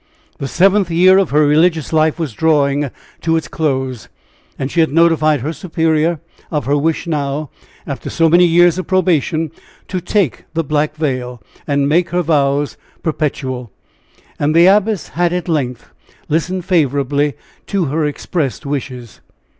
The seventh year of her religious life was drawing to its close, and she had notified her superior of her wish now, after so many years of probation, to take the black veil, and make her vows perpetual. And the Abbess had, at length, listened favorably to her expressed wishes.